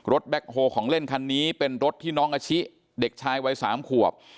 แบ็คโฮของเล่นคันนี้เป็นรถที่น้องอาชิเด็กชายวัย๓ขวบ